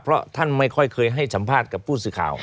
เพราะท่านไม่ค่อยเคยให้สัมภาษณ์กับผู้สื่อข่าว